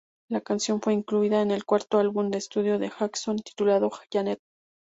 La canción fue incluida en el cuarto álbum de estudio de Jackson, titulado "janet.